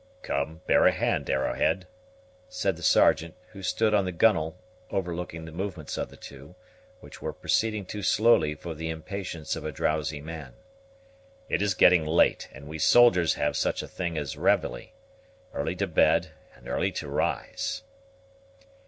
"Come, bear a hand, Arrowhead," said the Sergeant, who stood on the gunwale overlooking the movements of the two, which were proceeding too slowly for the impatience of a drowsy man; "it is getting late; and we soldiers have such a thing as reveille early to bed and early to rise."